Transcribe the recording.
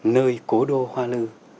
nơi cố đô hoa lư